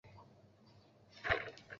原来可以预约呀